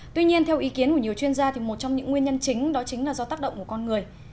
tuy nhiên theo ý kiến của nhiều chuyên gia một trong những nguyên nhân chính đó chính là do tác động của con người